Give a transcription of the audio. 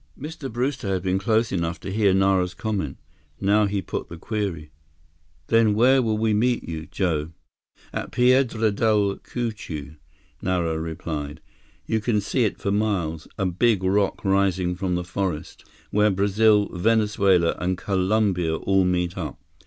Mr. Brewster had been close enough to hear Nara's comment. Now, he put the query: "Then where will we meet you, Joe?" "At Piedra Del Cucuy," Nara replied. "You can see it for miles, a big rock rising from the forest, where Brazil, Venezuela, and Colombia all meet up.